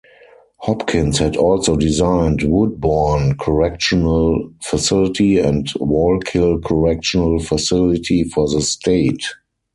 Hopkins had also designed Woodbourne Correctional Facility and Wallkill Correctional Facility for the state.